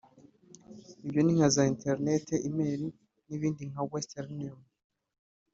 Ibyo ni nka za internet (E-mail) n’ibindi nka Western Union